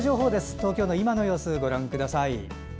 東京の今の様子ご覧ください。